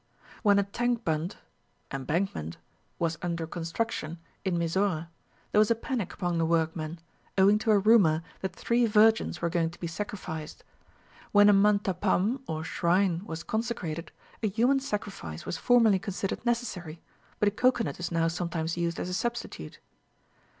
When a tank bund (embankment) was under construction in Mysore, there was a panic among the workmen, owing to a rumour that three virgins were going to be sacrificed. When a mantapam or shrine was consecrated, a human sacrifice was formerly considered necessary, but a cocoanut is now sometimes used as a substitute.